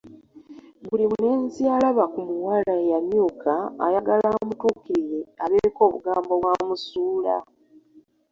Buli mulenzi alaba ku muwala eyamyuka ayagala amutuukirire abeeko obugambo bwamusuula.